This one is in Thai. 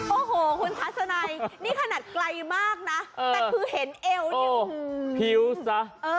โอ้โหคุณทัศนัยนี่ขนาดไกลมากนะแต่คือเห็นเอวนี่ผิวซะ